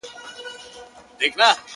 د چا او چا ژوند كي خوښي راوړي